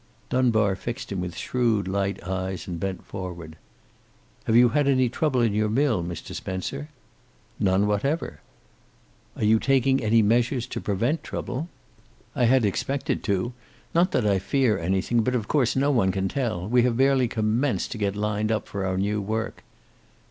Dunbar fixed him with shrewd, light eyes, and bent forward. "Have you had any trouble in your mill, Mr. Spencer?" "None whatever." "Are you taking any measures to prevent trouble?" "I had expected to. Not that I fear anything, but of course no one can tell. We have barely commenced to get lined up for our new work."